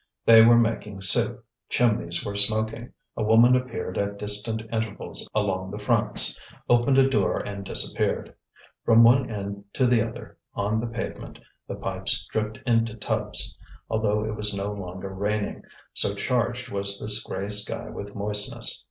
They were making soup, chimneys were smoking, a woman appeared at distant intervals along the fronts, opened a door and disappeared. From one end to the other, on the pavement, the pipes dripped into tubs, although it was no longer raining, so charged was this grey sky with moistness.